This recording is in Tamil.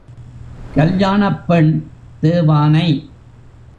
கல்யாணப் பெண் தேவானை!